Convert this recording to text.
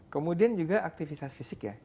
kemudian juga aktivitas fisik ya